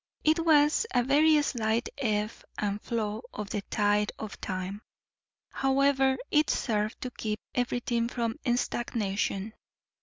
It was a very slight ebb and flow of the tide of time; however, it served to keep everything from stagnation.